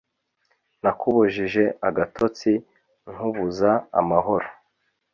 nakubujije agatotsi nkubuza amahoro